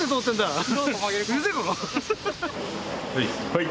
はい。